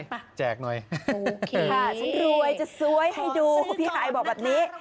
ไปแจกหน่อยโอเคค่ะฉันรวยจะสวยให้ดูพี่ฮายบอกแบบนี้